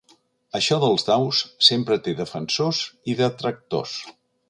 Això dels daus sempre té defensors i detractors.